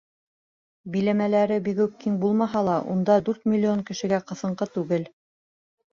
Биләмәләре бигүк киң булмаһа ла, унда дүрт миллион кешегә ҡыҫынҡы түгел.